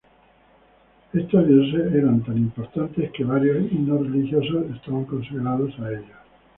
Estos dioses eran tan importantes que varios himnos religiosos estaban consagrados a ellos.